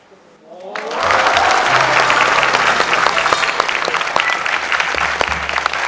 โห